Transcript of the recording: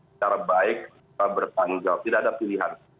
secara baik tetap bertanggal tidak ada pilihan